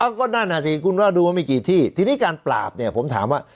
ก็นั่นอ่ะสิคุณว่าดูว่ามีกี่ที่ทีนี้การปราบเนี่ยผมถามว่า